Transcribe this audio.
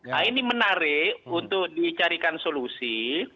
nah ini menarik untuk dicarikan solusi